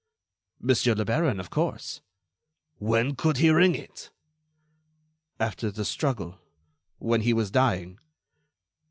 "Monsieur le baron, of course." "When could he ring it?" "After the struggle ... when he was dying."